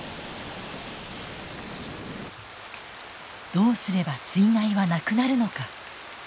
どうすれば水害はなくなるのか？